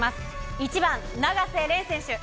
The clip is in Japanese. １番、永瀬廉選手。